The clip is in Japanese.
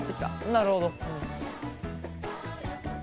なるほど。